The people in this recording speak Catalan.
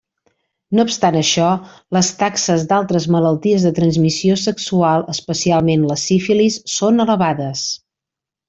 No obstant això, les taxes d'altres malalties de transmissió sexual, especialment la sífilis, són elevades.